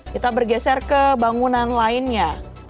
kita bergeser ke bangunan lainnya